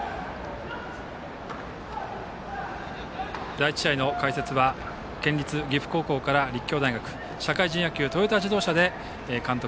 第１試合の解説は県立岐阜高校から立教大社会人野球、トヨタ自動車で監督